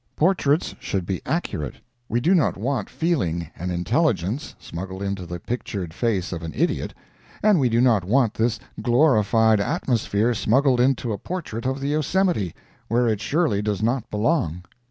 Portraits should be accurate. We do not want feeling and intelligence smuggled into the pictured face of an idiot, and we do not want this glorified atmosphere smuggled into a portrait of the Yosemite, where it surely does not belong.